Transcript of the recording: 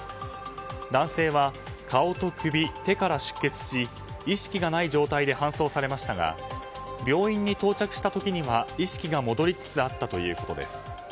男性は顔と首、手から出血し意識がない状態で搬送されましたが病院に到着した時には、意識が戻りつつあったということです。